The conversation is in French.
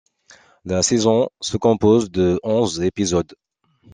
La saison se compose de onze épisodes.